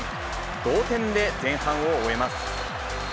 同点で前半を終えます。